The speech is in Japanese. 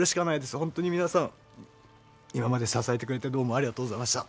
本当に皆さん今まで支えてくれてどうもありがとうございました。